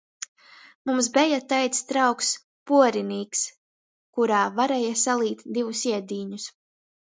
Mums beja taids trauks – puorinīks, kurā varēja salīt divus iedīņus.